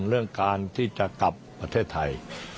เรื่องการที่จะกลับประเทศไทย